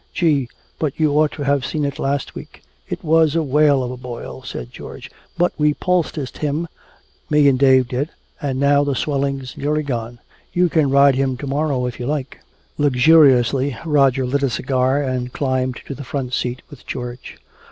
Gee, but you ought to have seen it last week. It was a whale of a boil," said George, "but we poulticed him, me and Dave did and now the swelling's nearly gone. You can ride him to morrow if you like." Luxuriously Roger lit a cigar and climbed to the front seat with George.